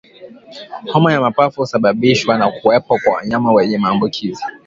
Homa ya mapafu husababishwa na kuwepo kwa wanyama wenye maambukizi